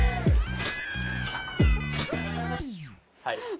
はい。